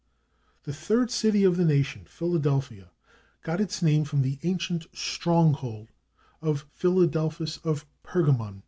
The third city of the nation, /Philadelphia/, got its name from the ancient stronghold of Philadelphus of Pergamun.